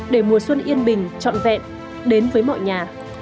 để mùa xuân yên bình trọn vẹn đến với mọi nhà